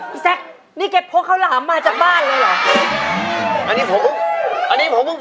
แซคนี่แกพกข้าวหลามมาจากบ้านเลยเหรอ